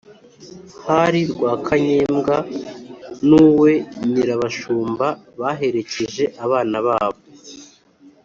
Hari Rwakanyembwa N’uwe Nyirabashumba Baherekeje abana Babo